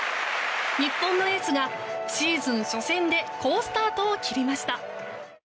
日本のエースがシーズン初戦で好スタートを切りました。